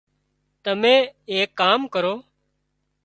تمين ايڪ ڪام ڪرو